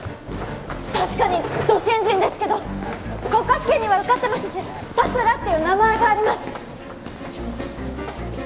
確かにド新人ですけど国家試験には受かってますし「佐倉」っていう名前があります！